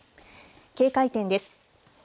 警戒点です。